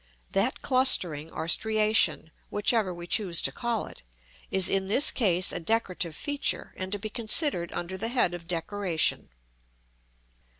That clustering or striation, whichever we choose to call it, is in this case a decorative feature, and to be considered under the head of decoration.